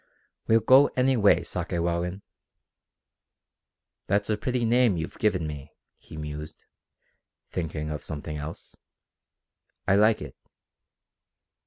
"We'll go anyway, Sakewawin." "That's a pretty name you've given me," he mused, thinking of something else. "I like it."